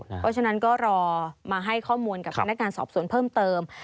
เพราะฉะนั้นก็รอมาให้ข้อมูลกับพนักงานสอบสวนเพิ่มเติม